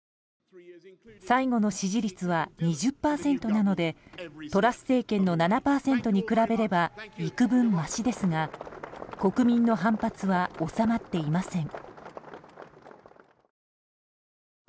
最後の支持率は２０％なのでトラス政権の７％に比べれば幾分、ましですが国民の反発は収まっていません。